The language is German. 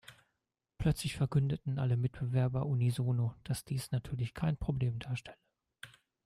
Plötzlich verkündeten alle Mitbewerber unisono, dass dies natürlich kein Problem darstelle.